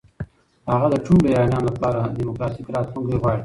هغه د ټولو ایرانیانو لپاره دموکراتیک راتلونکی غواړي.